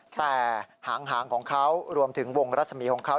แต่หางของเขารวมถึงวงรัศมีของเขา